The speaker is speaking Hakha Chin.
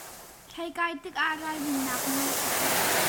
Hlei kai tikah ralrinnak ngeih a herh.